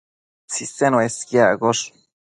Tsisen uesquiaccosh